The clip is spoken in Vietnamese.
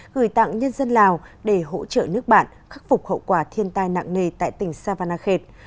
gửi tặng nhân dân lào để hỗ trợ nước bạn khắc phục hậu quả thiên tai nặng nề tại tỉnh savanakhet